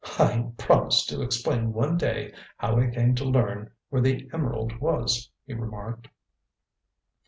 "I promised to explain one day how I came to learn where the emerald was," he remarked.